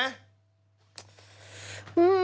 อืม